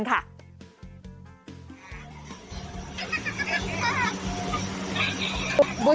จัดกระบวนพร้อมกัน